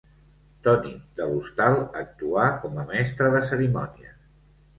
Toni de l'Hostal actuà com a mestre de cerimònies.